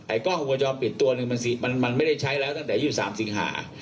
กล้องวงจรปิดตัวหนึ่งมันไม่ได้ใช้แล้วตั้งแต่๒๓สิงหา